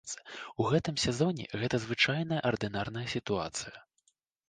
У гэтым сезоне гэта звычайная ардынарная сітуацыя.